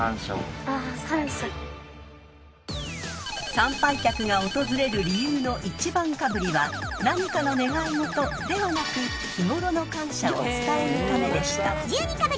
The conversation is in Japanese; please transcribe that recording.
［参拝客が訪れる理由の１番かぶりは何かの願い事ではなく日頃の感謝を伝えるためでした］